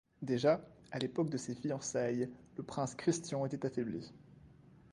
Déjà, à l'époque de ses fiançailles, le Prince Christian était affaibli.